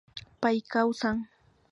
Pay kawsan